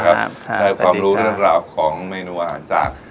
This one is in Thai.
ได้ความรู้เรื่องราวของเมนูอาหารจาก